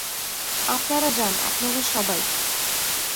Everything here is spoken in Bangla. আপনারা যান, আপনারা সবাই।